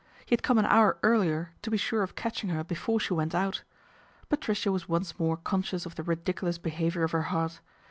He had :ome an hour earlier to be sure of catching her Before she went out. Patricia was once more con >cious of the ridiculous behaviour of her heart.